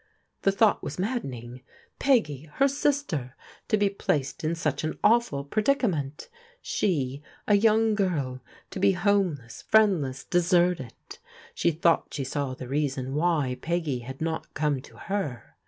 The thought was maddening ! Peggy, her sister, to be placed in such an awful predicament ! She, a young girl, to be homeless, friendless, deserted. She thought she saw the reason why Peggy had not come to her.